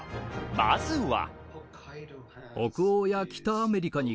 まずは。